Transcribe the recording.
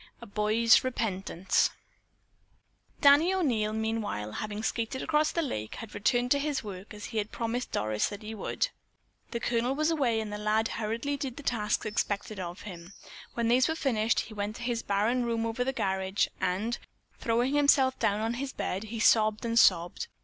A BOY'S REPENTANCE Danny O'Neil, meanwhile having skated across the lake, had returned to his work as he had promised Doris that he would. The Colonel was away and the lad hurriedly did the tasks expected of him. When these were finished, he went to his barren room over the garage, and, throwing himself down on his bed, he sobbed and sobbed.